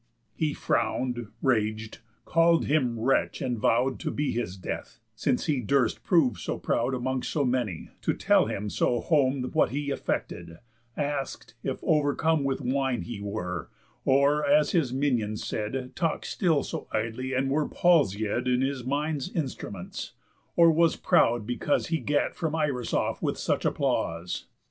He frown'd, rag'd, call'd him wretch, and vow'd To be his death, since he durst prove so proud Amongst so many, to tell him so home What he affected; ask'd, if overcome With wine he were, or, as his minion said, Talk'd still so idly, and were palsiéd In his mind's instruments, or was proud because He gat from Irus off with such applause?